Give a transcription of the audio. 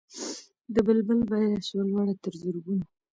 د بلبل بیه سوه لوړه تر زرګونو